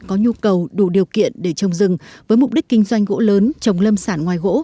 có nhu cầu đủ điều kiện để trồng rừng với mục đích kinh doanh gỗ lớn trồng lâm sản ngoài gỗ